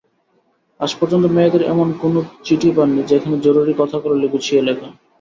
আজ পর্যন্ত মেয়েদের এমন কোনো চিঠি পান নি, যেখানে জরুরি কথাগুলো গুছিয়ে লেখা।